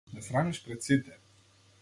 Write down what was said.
Ме срамиш пред сите.